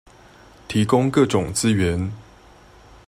提供各種資源